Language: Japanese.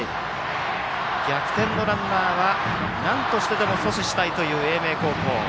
逆転のランナーはなんとしてでも阻止したいという英明高校。